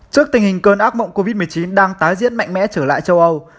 trước tình hình cơn ác mộng covid một mươi chín đang tái diễn mạnh mẽ trở lại châu âu